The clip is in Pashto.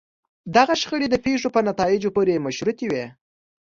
دغه شخړې د پېښو په نتایجو پورې مشروطې وي.